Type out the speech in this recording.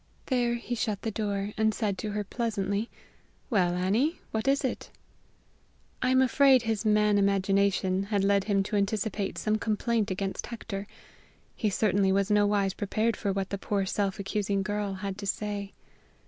There he shut the door, and said to her pleasantly: "Well, Annie, what is it?" I am afraid his man imagination had led him to anticipate some complaint against Hector: he certainly was nowise prepared for what the poor self accusing girl had to say.